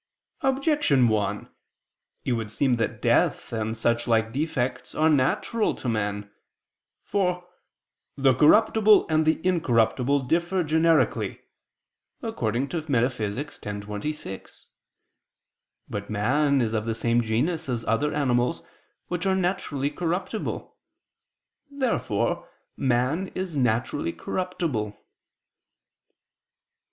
Objection 1: It would seem that death and such like defects are natural to man. For "the corruptible and the incorruptible differ generically" (Metaph. x, text. 26). But man is of the same genus as other animals which are naturally corruptible. Therefore man is naturally corruptible.